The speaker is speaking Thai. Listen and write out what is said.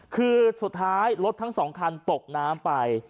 คือสุดท้ายรถทั้งสองคันตกน้ำไป